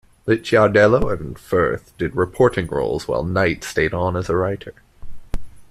Licciardello and Firth did reporting roles while Knight stayed on as a writer.